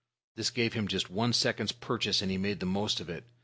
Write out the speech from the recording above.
This gave him just one second's purchase, and he made the most of it.